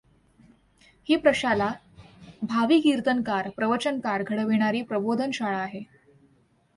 ही प्रशाला भावी कीर्तनकार, प्रवचनकार घडविणारी प्रबोधन शाळा आहे.